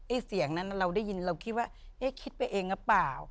เสียงนั้นเราได้ยินเราคิดว่าเอ๊ะคิดไปเองหรือเปล่า